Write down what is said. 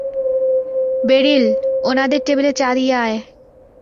Beryl, উনাদের টেবিলে চা দিয়ে আয়।